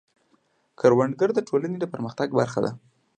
کروندګر د ټولنې د پرمختګ برخه دی